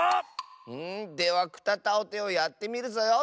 では「くたたをて」をやってみるぞよ。